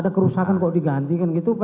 saya akan mencoba untuk mencoba